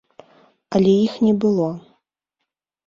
Але іх не было.